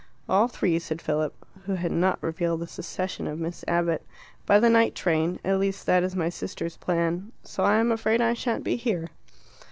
"All three," said Philip, who had not revealed the secession of Miss Abbott; "by the night train; at least, that is my sister's plan. So I'm afraid I shan't be here."